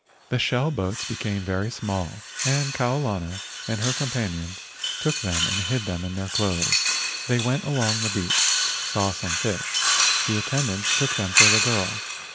The shell boats be¬ came very small and Kau lana and her com¬ panions took them and hid them in their clothes. They went along the beach, saw some fish. The attendants took them for the girl.